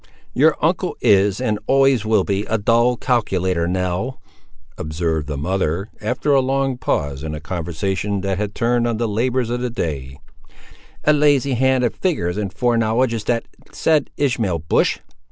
"Your uncle is, and always will be, a dull calculator, Nell," observed the mother, after a long pause in a conversation that had turned on the labours of the day; "a lazy hand at figures and foreknowledge is that said Ishmael Bush!